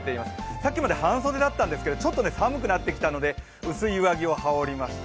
さっきまで半袖だったんですけど、ちょっと寒くなってきたので薄い上着を羽織りました、